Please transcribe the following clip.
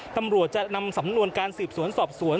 ตำรวจจะนำสำนวนการสืบสวนสอบสวน